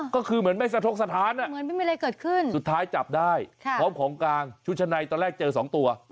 ก็คือเหมือนไม่สะทกสถานสุดท้ายจับได้พร้อมของกางชุดชั้นในตอนแรกเจอ๒ตัว